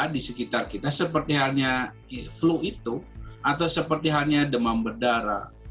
di sekitar kita seperti halnya flu itu atau seperti halnya demam berdarah